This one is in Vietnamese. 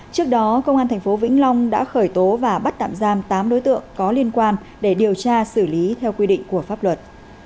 trước đó công an tp vĩnh long đã khởi tố và bắt tạm giam tám đối tượng có liên quan để điều tra xử lý theo quy định của pháp luật